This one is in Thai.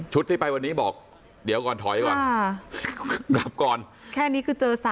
ที่ไปวันนี้บอกเดี๋ยวก่อนถอยก่อนดับก่อนแค่นี้คือเจอ๓